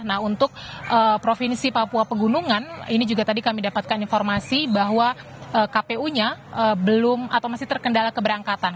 nah untuk provinsi papua pegunungan ini juga tadi kami dapatkan informasi bahwa kpu nya belum atau masih terkendala keberangkatan